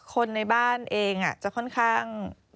คนในบ้านเองจะค่อนข้าง